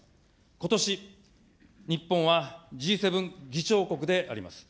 ことし、日本はＧ７議長国であります。